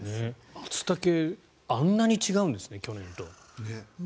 マツタケあんなに違うんですね、去年と。